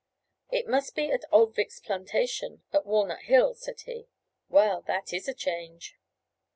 "It must be at old Vick's plantation, at Walnut Hills," said he: "well, that is a change!"